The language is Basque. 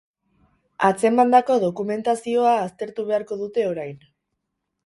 Atzemandako dokumentazioa aztertu beharko dute orain.